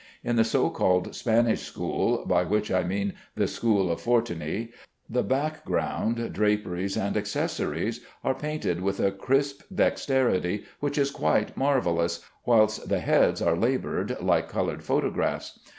In the so called Spanish school (by which I mean the school of Fortuny), the background, draperies, and accessories are painted with a crisp dexterity which is quite marvellous, whilst the heads are labored like colored photographs.